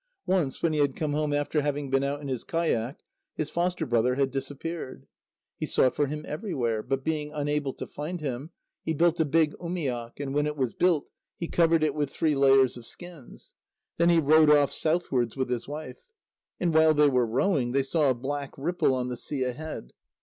Once when he had come home after having been out in his kayak, his foster brother had disappeared. He sought for him everywhere, but being unable to find him, he built a big umiak, and when it was built, he covered it with three layers of skins. Then he rowed off southwards with his wife. And while they were rowing, they saw a black ripple on the sea ahead.